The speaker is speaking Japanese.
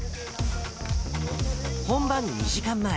本番２時間前。